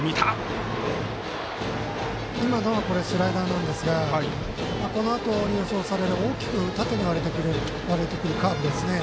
スライダーですがこのあと、予想される大きく縦に割れてくるカーブですね。